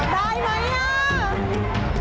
ได้ไหมอ่ะ